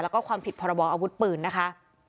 และความผิดพรวองอาวุธปืนนะคะ